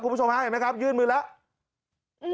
คุณผู้ชมฮะเห็นไหมครับยื่นมือแล้ว